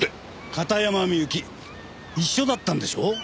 片山みゆき一緒だったんでしょう？